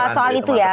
soal itu ya